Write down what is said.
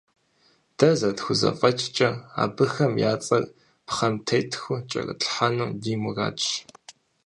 Дэ зэрытхузэфӏэкӏкӏэ, абыхэм я цӏэхэр пхъэм теттхэу кӏэрытлъхьэну ди мурадщ.